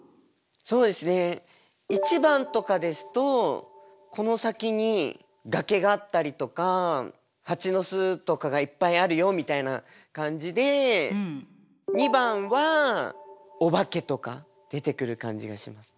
そうですね１番とかですとこの先に崖があったりとか蜂の巣とかがいっぱいあるよみたいな感じで２番はおばけとか出てくる感じがします。